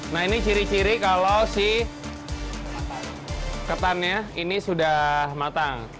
nah ini ciri ciri kalau si ketannya ini sudah matang